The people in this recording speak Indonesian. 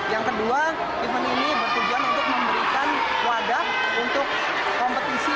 yang kedua event ini bertujuan untuk memberikan wadah untuk kompetisi